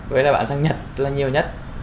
với lại bán sang nhật là nhiều nhất